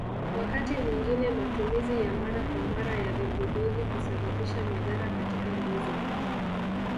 Wakati mwingine matumizi ya mara kwa mara ya vipodozi husababisha madhara katika ngozi